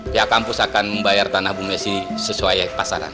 pihak kampus akan membayar tanah bu messi sesuai pasaran